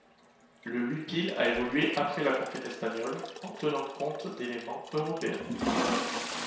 Le huipil a évolué après la conquête espagnole, en tenant compte d’éléments européens.